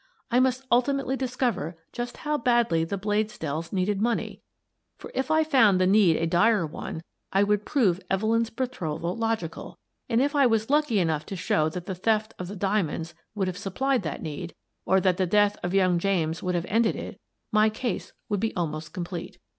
I must ultimately discover just how badly the Bladesdells needed money, for if I found the need a dire one I would prove Evelyn's betrothal logical, and if I was lucky enough to show that the theft of the diamonds would have supplied that need — or that the death of young James would have ended it — my case would be almost complete.